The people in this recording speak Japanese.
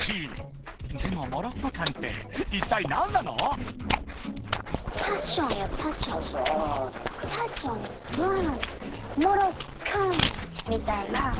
［でもモロッコ感っていったい何なの？］みたいな。